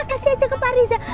eh udah kasih aja ke pak rija